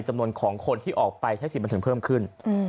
จำนวนของคนที่ออกไปใช้สิทธิมันถึงเพิ่มขึ้น